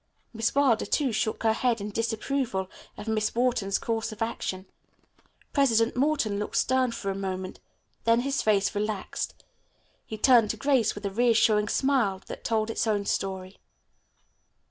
Miss Wilder, too, shook her head in disapproval of Miss Wharton's course of action. President Morton looked stern for a moment. Then his face relaxed. He turned to Grace with a reassuring smile that told its own story.